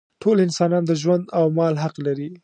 ټول انسانان د ژوند او مال حق لري.